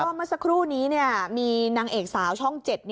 แล้วก็เมื่อสักครู่นี้มีนางเอกสาวช่องเจ็ด